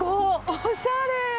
おしゃれ。